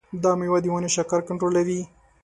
دا میوه د وینې شکر کنټرولوي.